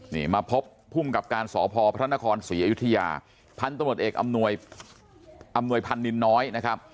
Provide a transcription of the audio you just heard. นี่มาพบผู้มกับการสพพศศพันตรวจเอกอำนวยพันลินน้อยนะครับ